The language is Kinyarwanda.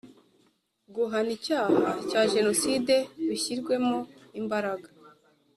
guhana icyaha cya jenoside bishyirwemo imbaraga